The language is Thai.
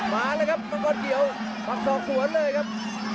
มาแล้วครับบังกอดเขียวปักส่องสวดเลยครับ